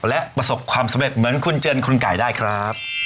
และประสบความสำเร็จเหมือนคุณเจินคุณไก่ได้ครับ